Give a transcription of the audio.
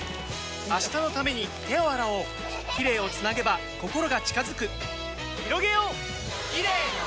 明日のために手を洗おうキレイをつなげば心が近づくひろげようキレイの輪！